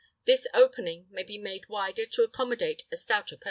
This opening may be made wider to accommodate a stouter person.